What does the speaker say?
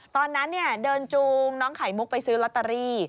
ตอนนั้นเดินจูงน้องไข่มุกไปซื้อลอตเตอรี่